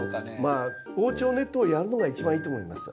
防鳥ネットをやるのが一番いいと思います。